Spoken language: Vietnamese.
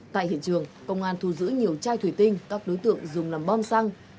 tại hiện trường công an thu giữ nhiều chai thủy tinh các đối tượng dùng làm bom xăng